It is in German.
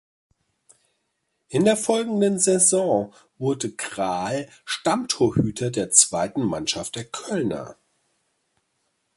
In der folgenden Saison wurde Krahl Stammtorhüter der Zweiten Mannschaft der Kölner.